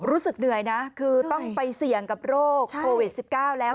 รู้สึกเหนื่อยนะคือต้องไปเสี่ยงกับโรคโควิด๑๙แล้ว